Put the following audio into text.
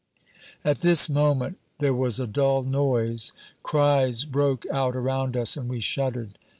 At this moment there was a dull noise; cries broke out around us, and we shuddered.